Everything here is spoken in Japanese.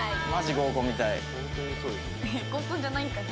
合コンじゃないんかい。